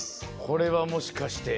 これはもしかして。